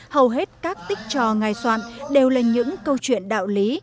hầu hết các tích trò ngài soạn đều là những câu chuyện đạo lý